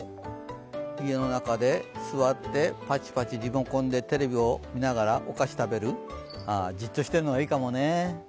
家の中で座って、パチパチリモコンでテレビ見ながらお菓子食べる、ああ、じっとしているのがいいかもね。